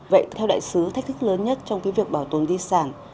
vậy theo đại sứ thách thức lớn nhất trong cái việc bảo tồn di sản